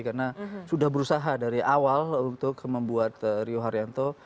karena sudah berusaha dari awal untuk membuat rio haryanto